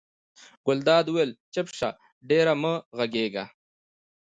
ګلداد وویل چپ شه ډېره مه غږېږه.